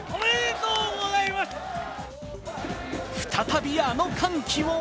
再びあの歓喜を。